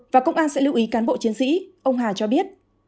và công an sẽ lưu ý cán bộ chiến sĩ ông hà cho biết